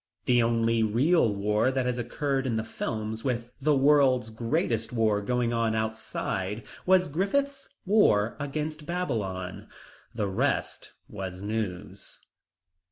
The only real war that has occurred in the films with the world's greatest war going on outside was Griffith's War Against Babylon. The rest was news.